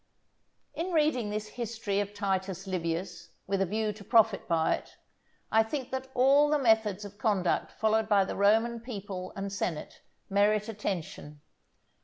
_ In reading this History of Titus Livius with a view to profit by it, I think that all the methods of conduct followed by the Roman people and senate merit attention.